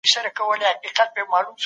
څوک غواړي ترانزیت په بشپړ ډول کنټرول کړي؟